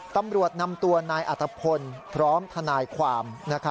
ตำรวจนำตัวนายอัตภพลพร้อมทนายความ